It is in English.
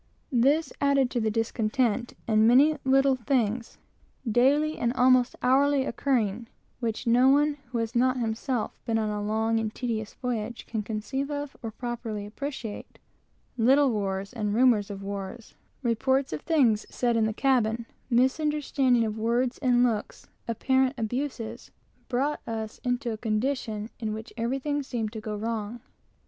This added to the discontent; and a thousand little things, daily and almost hourly occurring, which no one who has not himself been on a long and tedious voyage can conceive of or properly appreciate, little wars and rumors of wars, reports of things said in the cabin, misunderstanding of words and looks, apparent abuses, brought us into a state in which everything seemed to go wrong.